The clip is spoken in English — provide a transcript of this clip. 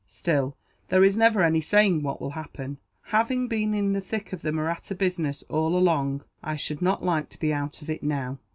Still, there is never any saying what will happen. Having been in the thick of the Mahratta business, all along, I should not like to be out of it, now."